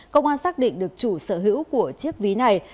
công an xác định được chủ sở hữu của chiếc ví này